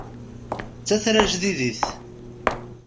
D tatrajdidit.